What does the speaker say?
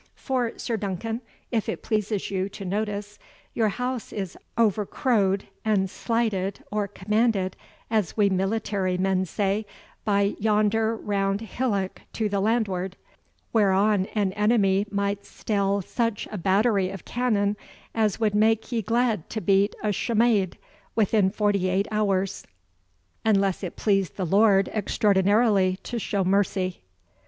For, Sir Duncan, if it pleases you to notice, your house is overcrowed, and slighted, or commanded, as we military men say, by yonder round hillock to the landward, whereon an enemy might stell such a battery of cannon as would make ye glad to beat a chamade within forty eight hours, unless it pleased the Lord extraordinarily to show mercy."